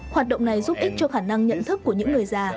hoạt động này giúp ích cho khả năng nhận thức của những người già